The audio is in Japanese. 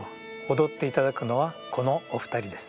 踊っていただくのはこのお二人です。